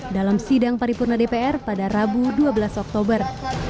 dalam sidang paripurna dpr pada rabu dua belas oktober